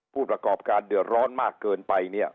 ผู้ประกอบการเดือดร้อนมากเกินไปเนี่ย